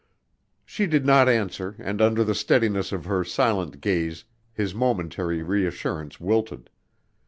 Still she did not answer and under the steadiness of her silent gaze, his momentary reassurance wilted.